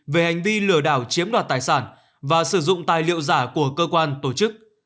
về hành vi lừa đảo chiếm đoạt tài sản và sử dụng tài liệu giả của cơ quan tổ chức